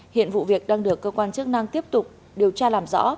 hiện vụ việc đang được cơ quan chức năng tiếp tục điều tra làm rõ